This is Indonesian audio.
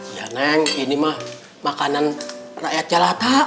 iya neng ini mah makanan rakyat jalata